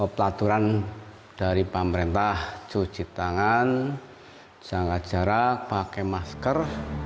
pelaturan dari pemerintah cuci tangan jaga jarak pakai masker